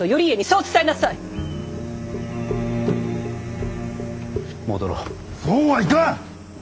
そうはいかん！